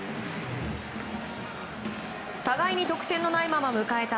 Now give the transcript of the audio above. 互いに得点のないまま迎えた